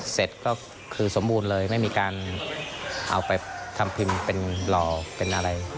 เสร็จก็คือสมบูรณ์เลยไม่มีการเอาไปทำพรีมเป็นเป็นอะไรอย่างนี้